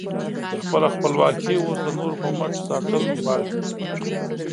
خپله خپلواکي اوس د نورو په مټ ساتل غواړې؟